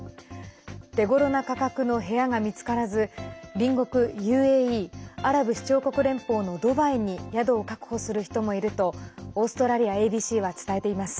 手ごろな価格の部屋が見つからず隣国ＵＡＥ＝アラブ首長国連邦のドバイに宿を確保する人もいるとオーストラリアＡＢＣは伝えています。